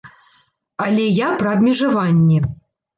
Але я пра абмежаванні.